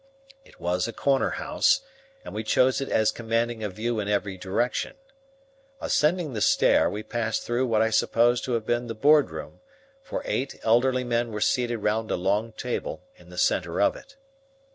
It was a corner house, and we chose it as commanding a view in every direction. Ascending the stair, we passed through what I suppose to have been the board room, for eight elderly men were seated round a long table in the centre of it.